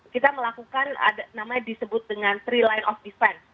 kita melakukan namanya disebut dengan three line of defense